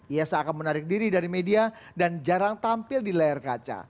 ia seakan menarik diri dari media dan jarang tampil di layar kaca